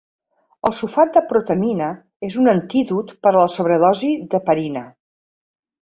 El sulfat de protamina és un antídot per a la sobredosi d'heparina.